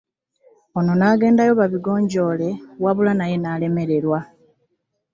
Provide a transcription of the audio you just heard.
Ono n'agendayo babigonjoole wabula naye n'alemererwa